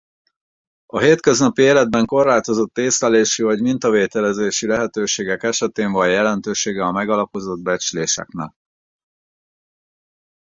A hétköznapi életben korlátozott észlelési vagy mintavételezési lehetőségek esetén van jelentősége a megalapozott becsléseknek.